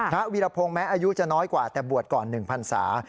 วีรพงศ์แม้อายุจะน้อยกว่าแต่บวชก่อน๑พันศา